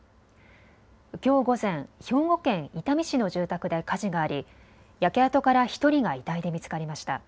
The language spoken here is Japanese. きょう午前、兵庫県伊丹市の住宅で火事があり焼け跡から１人が遺体で見つかりました。